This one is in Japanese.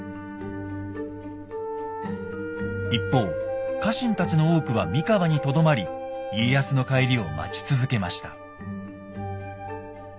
一方家臣たちの多くは三河にとどまり家康の帰りを待ち続けました。